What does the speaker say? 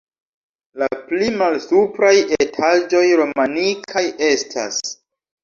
La pli malsupraj etaĝoj romanikaj estas.